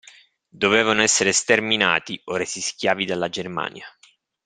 Dovevano essere sterminati o resi schiavi dalla Germania.